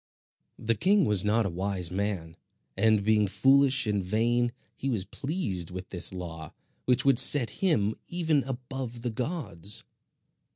The king was not a wise man; and being foolish and vain, he was pleased with this law which would set him even above the gods.